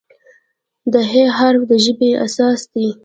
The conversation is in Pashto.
د "ه" حرف د ژبې اساس دی.